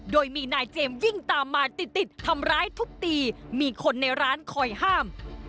โดยมีนายเจมส์วิ่งตามมาติดติดทำร้ายทุบตีมีคนในร้านคอยห้าม